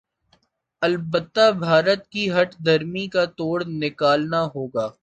البتہ بھارت کی ہٹ دھرمی کاتوڑ نکالنا ہوگا